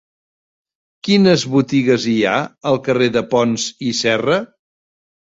Quines botigues hi ha al carrer de Pons i Serra?